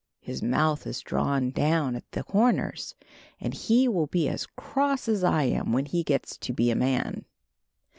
His mouth is drawn down at the corners, and he will be as cross as I am when he gets to be a man."